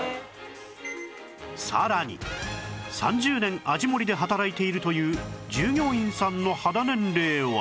さらに３０年あぢもりで働いているという従業員さんの肌年齢は